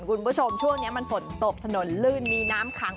คุณผู้ชมช่วงนี้มันฝนตกถนนลื่นมีน้ำขัง